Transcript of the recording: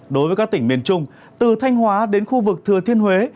đối với các tỉnh miền trung từ thanh hóa đến khu vực thừa thiên huế